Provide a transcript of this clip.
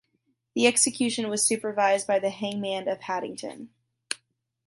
The excecution was supervised by the hangman of Haddington.